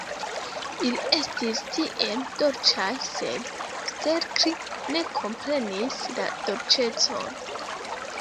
Ili estis tiel dolĉaj, sed Stelkri ne komprenis la dolĉecon.